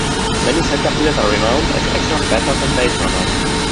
Many center fielders are renowned as excellent batters and base runners.